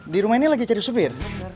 di rumah ini lagi cari supir